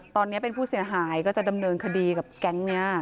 ตอนนี้เป็นผู้เสียหายก็จะดำเนินคดีกับแก๊งนี้